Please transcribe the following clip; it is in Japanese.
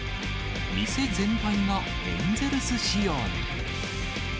店全体がエンゼルス仕様に。